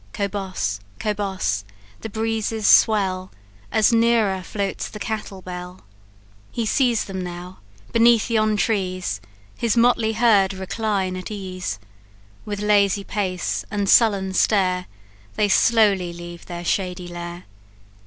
Cobos! cobos! the breezes swell, As nearer floats the cattle bell. "He sees them now beneath yon trees His motley herd recline at ease; With lazy pace and sullen stare, They slowly leave their shady lair.